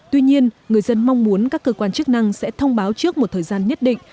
tuy nhiên người dân mong muốn các cơ quan chức năng sẽ thông báo trước một thời gian nhất định